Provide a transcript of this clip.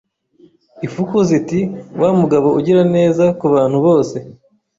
Ifuku ziti Wa mugabo ugira neza kubantu bose